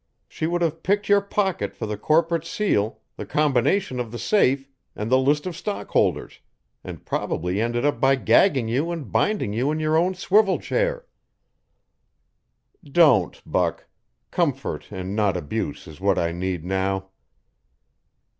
She would have picked your pocket for the corporate seal, the combination of the safe, and the list of stockholders, and probably ended up by gagging you and binding you in your own swivel chair." "Don't, Buck. Comfort and not abuse is what I need now."